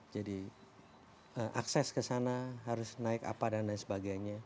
jadi akses ke sana harus naik apa dan sebagainya